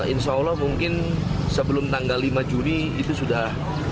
insya allah mungkin sebelum tanggal lima juni itu sudah